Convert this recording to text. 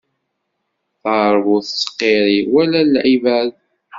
Taṛbut tettqiṛṛi, wala lɛibad.